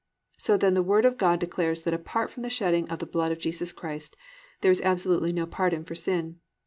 So then the Word of God declares that apart from the shedding of the blood of Jesus Christ there is absolutely no pardon for sin.